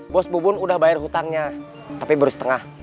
bos bubun udah bayar hutangnya tapi baru setengah